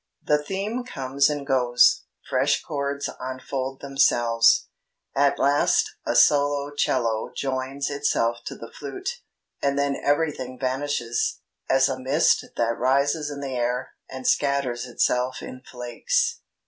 The theme comes and goes, fresh chords unfold themselves; at last a solo 'cello joins itself to the flute; and then everything vanishes, as a mist that rises in the air and scatters itself in flakes."